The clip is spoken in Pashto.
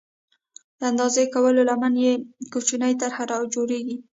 د اندازه کولو لمنه یې کوچنۍ طرحه او جوړېږي.